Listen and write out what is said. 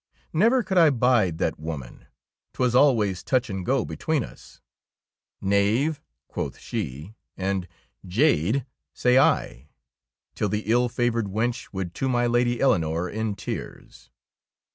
Never could I bide that woman ! 'Twas always touch and go between us. ''Knave," quoth she, and "Jade," say I, till the ill favoured wench would to my Lady Eleonore in tears.